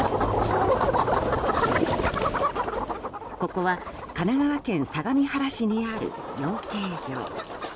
ここは神奈川県相模原市にある養鶏場。